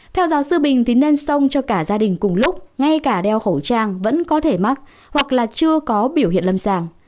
theo giáo sư bình thì nên sông cho cả gia đình cùng lúc ngay cả đeo khẩu trang vẫn có thể mắc hoặc là chưa có biểu hiện lâm sàng